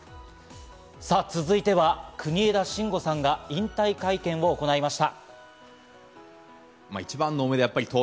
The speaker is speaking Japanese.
続いては、国枝慎吾さんが引退会見を行いました。